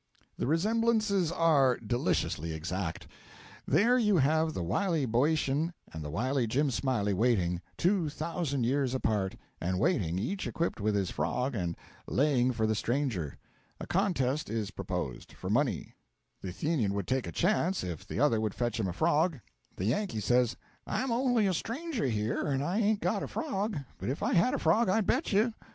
The resemblances are deliciously exact. There you have the wily Boeotain and the wily Jim Smiley waiting two thousand years apart and waiting, each equipped with his frog and 'laying' for the stranger. A contest is proposed for money. The Athenian would take a chance 'if the other would fetch him a frog'; the Yankee says: 'I'm only a stranger here, and I ain't got a frog; but if I had a frog I'd bet you.'